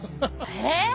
えっ！